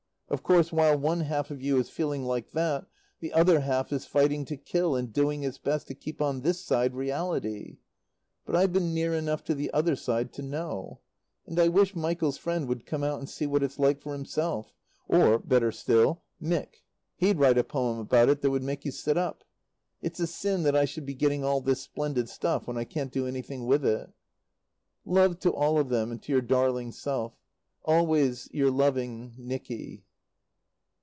Of course, while one half of you is feeling like that, the other half is fighting to kill and doing its best to keep on this side reality. But I've been near enough to the other side to know. And I wish Michael's friend would come out and see what it's like for himself. Or, better still, Mick. He'd write a poem about it that would make you sit up. It's a sin that I should be getting all this splendid stuff when I can't do anything with it. Love to all of them and to your darling self. Always your loving, NICKY.